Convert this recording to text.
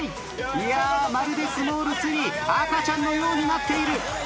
いやまるでスモール３赤ちゃんのようになっている。